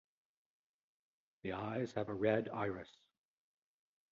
The eyes have a red iris.